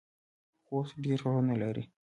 خوست ډیر غرونه لري